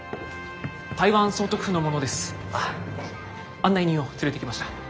案内人を連れてきました。